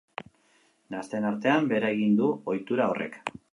Gazteen artean, behera egin du ohitura horrek.